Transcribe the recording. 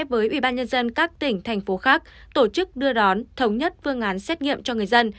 với ubnd các tỉnh thành phố khác tổ chức đưa đón thống nhất vương án xét nghiệm cho người dân